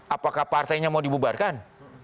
apakah partainya mau dibubarkan